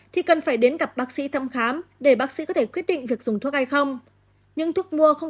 thì cần phải đến gặp bác sĩ thăm khám để bác sĩ có thể quyết định việc dùng thuốc hay không